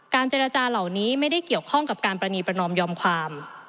เจรจาเหล่านี้ไม่ได้เกี่ยวข้องกับการปรณีประนอมยอมความ